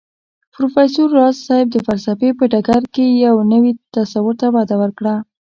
پروفېسر راز صيب د فلسفې په ډګر کې يو نوي تصور ته وده ورکړه